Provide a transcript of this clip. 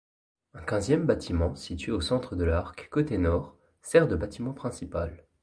Un quinzième bâtiment, situé au centre de l'arc, côté nord, sert de bâtiment principal.